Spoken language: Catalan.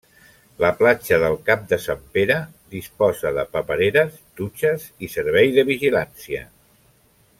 La Platja del Cap de Sant Pere disposa de papereres, dutxes i servei de vigilància.